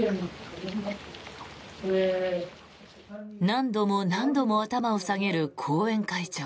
何度も何度も頭を下げる後援会長。